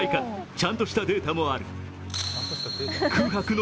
ちゃんとしたデータもある。